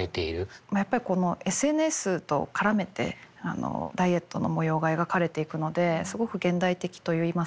やっぱりこのＳＮＳと絡めてダイエットの模様が描かれていくのですごく現代的といいますか。